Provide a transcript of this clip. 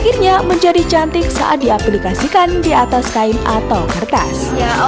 akhirnya menjadi cantik saat diaplikasikan di atas kain atau kertas